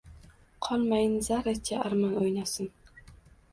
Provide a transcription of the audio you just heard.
Qolmayin zarracha armon o’ynasin.